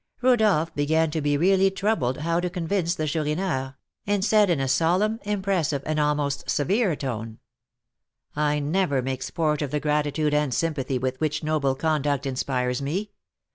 '" Rodolph began to be really troubled how to convince the Chourineur, and said in a solemn, impressive, and almost severe tone: "I never make sport of the gratitude and sympathy with which noble conduct inspires me.